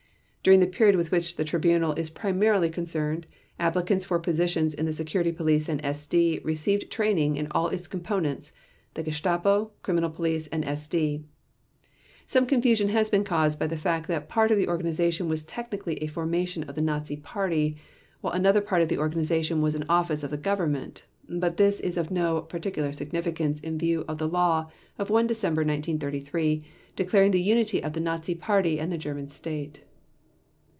During the period with which the Tribunal is primarily concerned, applicants for positions in the Security Police and SD received training in all its components, the Gestapo, Criminal Police, and SD. Some confusion has been caused by the fact that part of the organization was technically a formation of the Nazi Party while another part of the organization was an office in the Government, but this is of no particular significance in view of the law of 1 December 1933, declaring the unity of the Nazi Party and the German State.